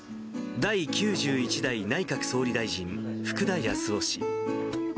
第９１代内閣総理大臣、福田康夫氏。